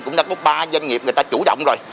cũng đã có ba doanh nghiệp người ta chủ động rồi